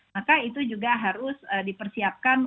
maka itu juga harus dipersiapkan